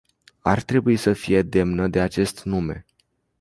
Ar trebui să fie demnă de acest nume.